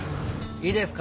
いいですか？